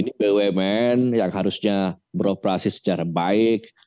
ini bumn yang harusnya beroperasi secara baik